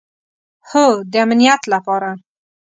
هو، د امنیت لپاره